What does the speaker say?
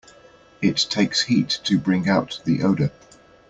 It takes heat to bring out the odor.